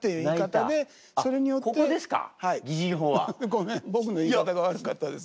ごめん僕の言い方が悪かったです。